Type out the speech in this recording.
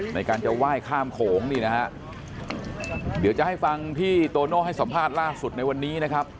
ในการจะไหว้ข้ามโขงนี่นะฮะเดี๋ยวจะให้ฟังที่โตโน่ให้สัมภาษณ์ล่าสุดในวันนี้นะครับ